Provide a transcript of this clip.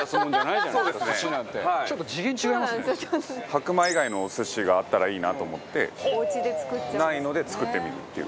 白米以外のお寿司があったらいいなと思ってないので、作ってみるっていう。